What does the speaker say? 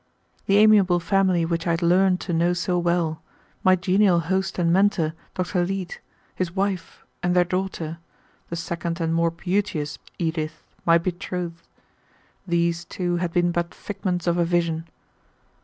The amiable family which I had learned to know so well, my genial host and Mentor, Dr. Leete, his wife, and their daughter, the second and more beauteous Edith, my betrothed these, too, had been but figments of a vision.